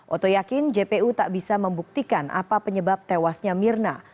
oto yakin jpu tak bisa membuktikan apa penyebab tewasnya mirna